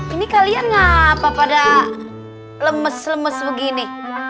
ini kalian apa pada lemes lemes begini